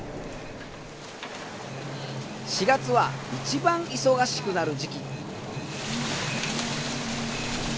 ４月は一番忙しくなる時期。